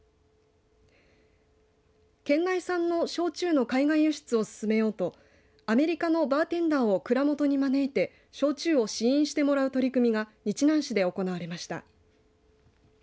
県内産の焼酎の海外輸出を進めようとアメリカのバーテンダーを蔵元に招いて焼酎を試飲してもらう取り組みが日南市で行われました。